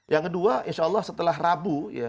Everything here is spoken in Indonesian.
yang kedua insya allah setelah rabu